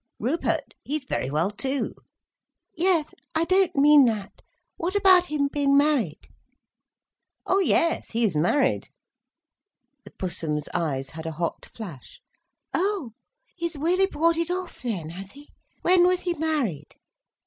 "Rupert? He's very well, too." "Yes, I don't mean that. What about him being married?" "Oh—yes, he is married." The Pussum's eyes had a hot flash. "Oh, he's weally bwought it off then, has he? When was he married?"